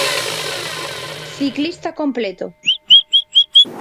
Ciclista completo.